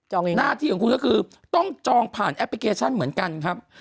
หน้าที่ของคุณก็คือต้องจองผ่านแอปพลิเคชันเหมือนกันครับ